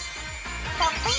「ポップイン！